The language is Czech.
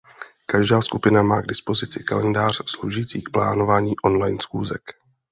Každá skupina má k dispozici kalendář sloužící k plánování online schůzek.